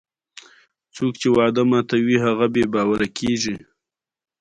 ازادي راډیو د د تګ راتګ ازادي په اړه د روغتیایي اغېزو خبره کړې.